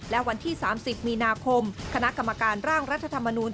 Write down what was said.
และวันที่๓๐มีนาคมคณะกรรมการร่างรัฐธรรมนูล